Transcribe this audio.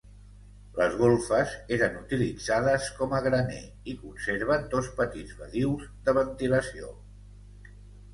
Les golfes eren utilitzades com a graner i conserven dos petits badius de ventilació.